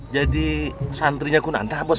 jadi santrinya kunanta bos